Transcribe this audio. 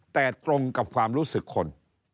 แต่ตรงกับความรู้สึกคน